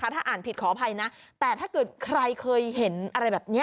ถ้าอ่านผิดขออภัยนะแต่ถ้าเกิดใครเคยเห็นอะไรแบบนี้